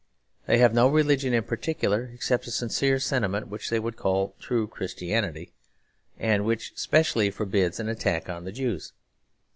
They have no religion in particular, except a sincere sentiment which they would call 'true Christianity,' and which specially forbids an attack on the Jews.